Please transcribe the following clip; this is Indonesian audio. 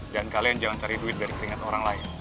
dan kalian jangan cari duit dari keringat orang lain